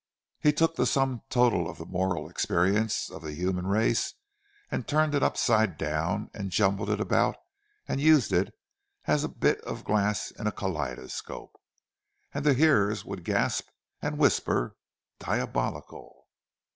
He took the sum total of the moral experience of the human race, and turned it upside down and jumbled it about, and used it as bits of glass in a kaleidoscope. And the hearers would gasp, and whisper, "Diabolical!"